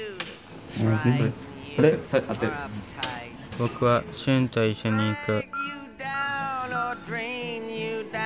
僕はしゅんと一緒に行く。